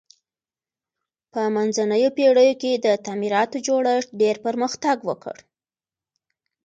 په منځنیو پیړیو کې د تعمیراتو جوړښت ډیر پرمختګ وکړ.